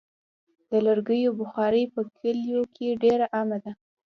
د لرګیو بخاري په کلیو کې ډېره عامه ده.